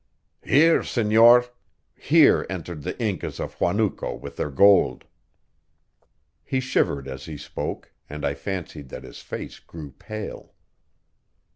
"Here, senor. Here entered the Incas of Huanuco with their gold." He shivered as he spoke, and I fancied that his face grew pale.